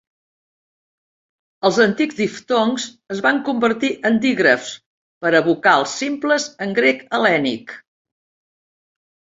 Els antics diftongs es van convertir en dígrafs per a vocals simples en grec hel·lènic.